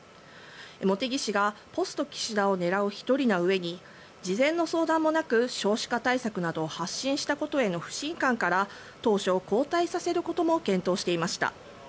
茂木氏がポスト岸田を狙う１人なうえに事前の相談もなく少子化対策などを発信したことへの不信感から当初、交代させることも検討していました。